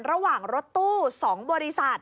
ระหว่างรถตู้๒บริษัท